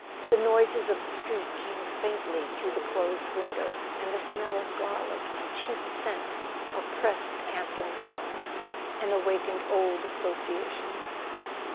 The noises of the street came faintly through the closed windows and a smell of garlic and cheap scent op¬ pressed Campton's lungs and awakened old associa¬ tions.